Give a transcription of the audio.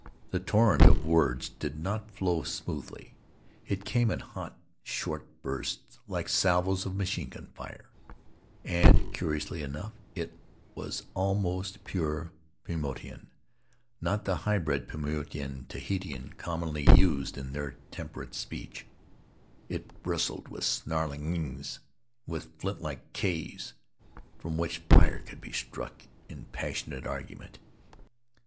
The torrent of words did not flow smoothly. It came in hot, short bursts, like salvos of machine gun fire, and, Faery Lands of the South Seas curiously enough, it was almost pure Paumotuan, not the hybrid Paumotuan Tahitian commonly used in their temperate speech. It bristled with snarling ng's, with flintlike k's from which fire could be struck in passionate argument.